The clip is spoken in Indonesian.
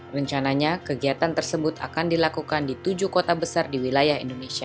rencananya kegiatan tersebut akan dilakukan di tujuh kota besar di wilayah indonesia